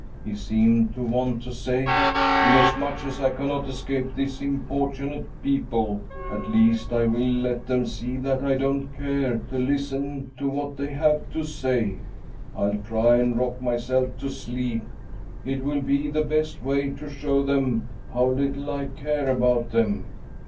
He seemed to want to say: "Inasmuch as I cannot escape these importunate people, at least I will let them see that I don't care to listen to what they have to say. I'll try and rock myself to sleep. It will be the best way to show them how little I care about them."